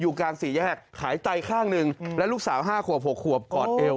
อยู่กลางสี่แยกขายไต้ข้างหนึ่งแล้วลูกสาวห้าขวบหกขวบกอดเอว